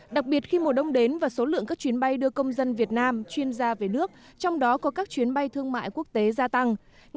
đặc biệt khi mùa đông đến và số lượng các chuyến bay đưa công dân việt nam chuyên gia về nước trong đó có các chuyến bay thương mại quốc tế gia tăng